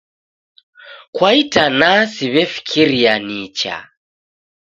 Kwa itanaa siw'efikiria nicha